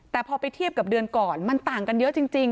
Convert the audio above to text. แต่พอไปเทียบกับเดือนก่อนมันต่างกันเยอะจริง